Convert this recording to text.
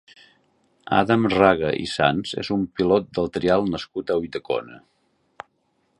Adam Raga i Sans és un pilot de trial nascut a Ulldecona.